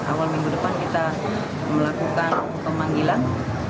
awal minggu depan kita melakukan pemanggilan